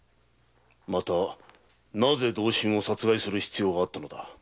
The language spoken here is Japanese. またなぜ同心を殺害する必要があったのだ。